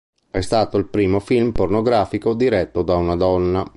È stato il primo film pornografico diretto da una donna.